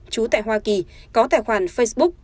chú tại hoa kỳ có tài khoản facebook